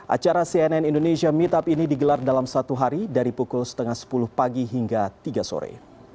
acara cnn indonesia meetup ini digelar dalam satu hari dari pukul setengah sepuluh pagi hingga tiga sore